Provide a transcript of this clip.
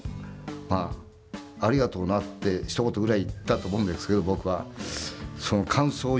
まあ、ありがとうなってひと言くらい言ったと思うんですけど、僕は。